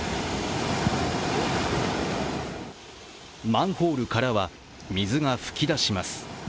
マンホールからは水が噴き出します。